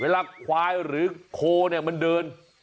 เวลาควายหรือโคเนี่ยมันเดิน